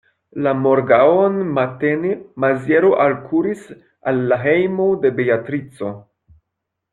La morgaŭon matene Maziero alkuris al la hejmo de Beatrico.